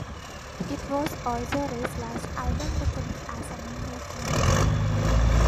It was also Ray's last album recorded as a member of Menudo.